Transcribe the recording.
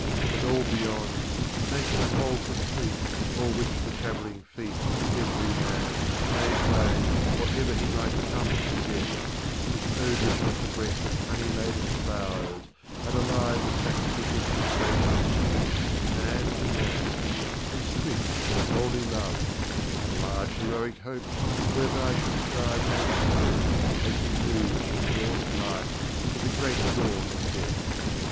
But all beyond, making the whole complete O'er which the travelling feet Of every man Made way or ever he might come to death, Was odorous with the breath Of honey laden flowers, and alive With sacrificial ministrations sweet Of man to man, and swift and holy loves, And large heroic hopes, whereby should thrive Man's spirit as he moves From dawn of life to the great dawn of death.